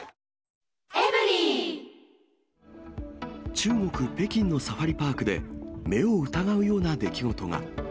中国・北京のサファリパークで、目を疑うような出来事が。